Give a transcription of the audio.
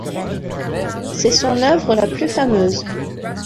C'est son œuvre la plus fameuse.